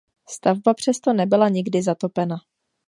Stavba přesto nebyla nikdy zatopena.